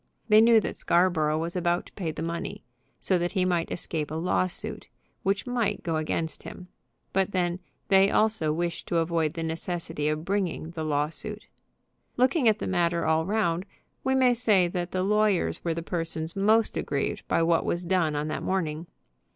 They knew that Scarborough was about to pay the money, so that he might escape a lawsuit, which might go against him; but then they also wished to avoid the necessity of bringing the lawsuit. Looking at the matter all round, we may say that the lawyers were the persons most aggrieved by what was done on that morning.